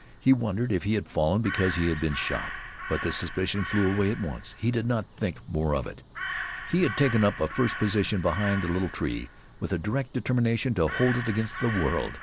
He wondered if he had fallen because he had been shot. But the suspicion flew away at once. He did not think more of it. He had taken up a first position behind the little tree, with a direct determination to hold it against the world.